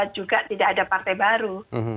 juga tidak ada partai baru